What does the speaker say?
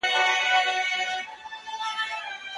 هغه موخه د انسان نیکمرغي ده.